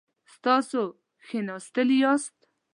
تاسو کښیناستی یاست؟